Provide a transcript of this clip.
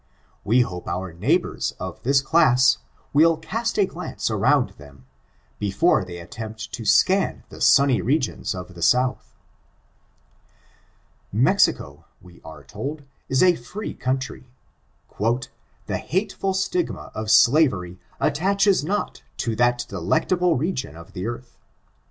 We hope our neighbors of this class, will cast a glance around them, before they attempt to scan the sunny regions of the South. Mexico, we are told, is a free country ;" the hateful stigma of slavery attaches not to that delectable re gion of the earth."